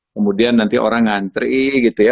kemudian nanti orang ngantri gitu ya